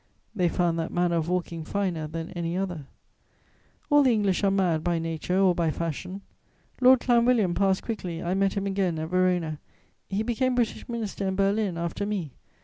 They found that manner of walking finer than any other." [Sidenote: London society.] All the English are mad by nature or by fashion. Lord Clanwilliam passed quickly: I met him again at Verona; he became British Minister in Berlin after me.